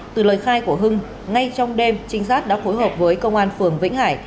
từ lời khay của hưng ngay trong đêm trinh sát đã khối hợp với công an phường vĩnh hải